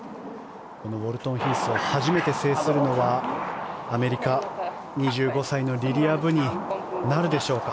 このウォルトンヒースを初めて制するのはアメリカ、２５歳のリリア・ブになるでしょうか。